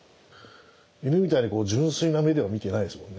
犬みたいに純粋な目では見てないですもんね。